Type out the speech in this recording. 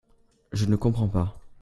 Je ne comprends pas.